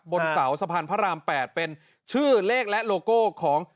บนเสาสะพานพระราม๘เป็นชื่อเลขและโลโก้ของ